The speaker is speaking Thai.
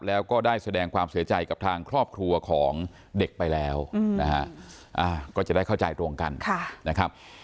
แล้วก็ได้แสดงความเสียใจกับทางครอบครัวของเด็กไปแล้วนะฮะ